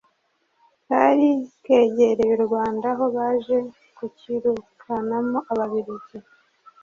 kari kegereye u Rwanda aho baje ku kirukanamo Ababiligi.